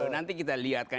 nanti kita lihat kan